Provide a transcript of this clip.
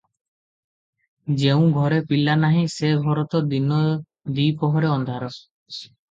ଯେଉଁ ଘରେ ପିଲା ନାହିଁ, ସେ ଘର ତ ଦିନ ଦିପ ହରରେ ଅନ୍ଧାର ।